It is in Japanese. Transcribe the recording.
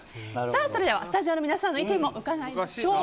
それではスタジオの皆さんの意見も伺いましょう。